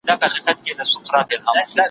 زه هره ورځ د ښوونځي کتابونه مطالعه کوم؟!